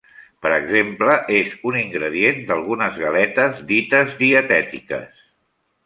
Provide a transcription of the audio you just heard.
Per exemple és un ingredient d’algunes galetes dites dietètiques.